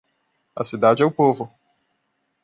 A cidade é o povo.